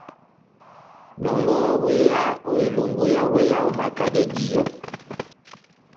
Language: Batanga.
Nɔngɔhɔ wéya ó elungu yá wéya, omakadɛ díyɔ.